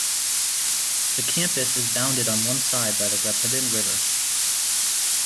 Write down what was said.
The campus is bounded on one side by the Rapidan River.